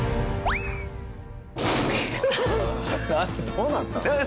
どうなったの？